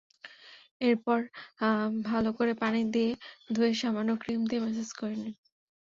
এরপর ভালো করে পানি দিয়ে ধুয়ে সামান্য ক্রিম দিয়ে ম্যাসাজ করে নিন।